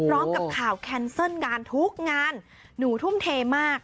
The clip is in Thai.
กับข่าวแคนเซิลงานทุกงานหนูทุ่มเทมาก